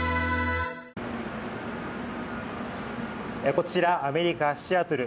こちら、アメリカ・シアトル。